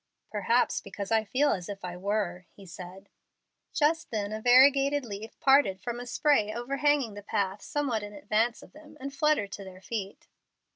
"Perhaps because I feel as if I were," he said. Just then a variegated leaf parted from a spray overhanging the path somewhat in advance of them, and fluttered to their feet.